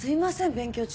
勉強中に。